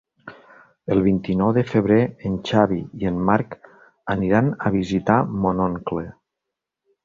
El vint-i-nou de febrer en Xavi i en Marc aniran a visitar mon oncle.